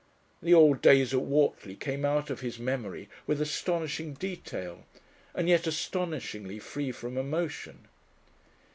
The old days at Whortley came out of his memory with astonishing detail and yet astonishingly free from emotion....